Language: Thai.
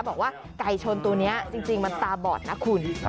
บอกว่าไก่ชนตัวนี้จริงมันตาบอดนะคุณ